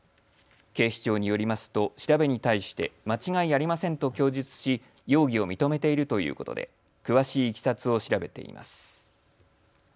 警視庁によりますと調べに対して間違いありませんと供述し容疑を認めているということで詳しいいきさつを調べています。